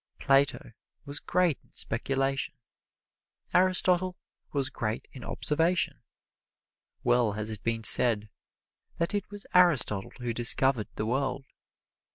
Plato was great in speculation; Aristotle was great in observation. Well has it been said that it was Aristotle who discovered the world.